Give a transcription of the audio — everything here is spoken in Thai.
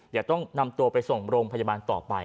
เดี๋ยวต้องนำตัวไปส่งโรงพยาบาลต่อไป